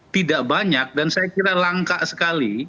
tidak banyak dan saya kira langka sekali